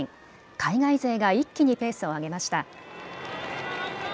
海外勢が一気にペースを上げました。